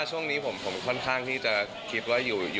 ช่วงนี้ผมค่อนข้างที่จะคิดว่าอยู่